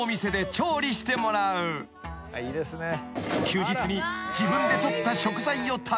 ［休日に自分で採った食材を食べる］